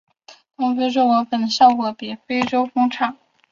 东非蜂的授粉效果也比欧洲蜂差。